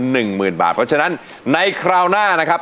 หนึ่งหมื่นบาทเพราะฉะนั้นในคราวหน้านะครับ